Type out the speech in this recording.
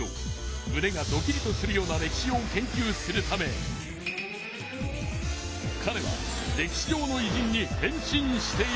むねがドキリとするような歴史を研究するためかれは歴史上のいじんに変身している。